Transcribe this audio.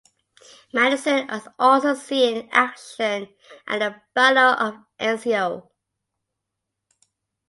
Madison and also seeing action at the Battle of Anzio.